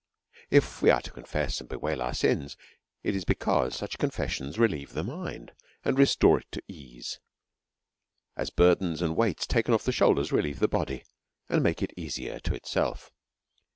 If we are to confess and bewail our sins^ it is because such confessions relieve the mind^ and restore it to ease^ as burdens and weights taken otf the shoulders re lieve the body, and make it easier to itself.